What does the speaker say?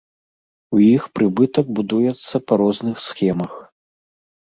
У іх прыбытак будуецца па розных схемах.